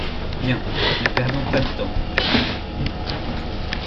Bien, ne perdons pas de temps, John.